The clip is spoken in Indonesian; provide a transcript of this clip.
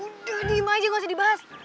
udah diem aja gak usah dibahas